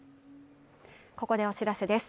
ここでお知らせです。